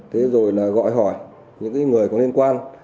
thế rồi là gọi hỏi những người có liên quan